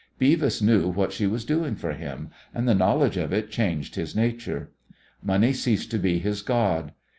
Beavis knew what she was doing for him, and the knowledge of it changed his nature. Money ceased to be his god.